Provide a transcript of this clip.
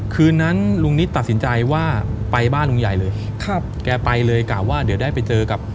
คืนนั้นลุงนิดตัดสินใจว่า